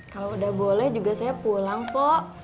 kalau udah boleh juga saya pulang kok